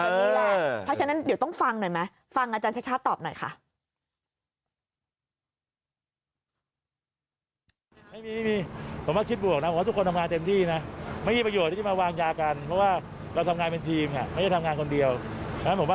เพราะฉะนั้นเดี๋ยวต้องฟังหน่อยไหมฟังอาจารย์ชาติชาติตอบหน่อยค่ะ